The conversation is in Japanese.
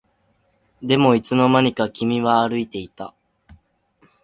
でもいつの間にか君は歩いていた